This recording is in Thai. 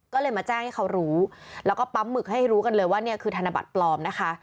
ก็เลยมาแจ้งให้เขารู้แล้วก็ปั๊มหึกให้รู้กันเลยว่าเนี่ยคือธนบัตรปลอมนะคะ